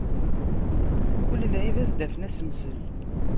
Kul lɛib ad as-d-afen asemsel.